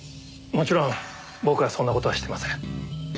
もちろん僕はそんな事はしてません。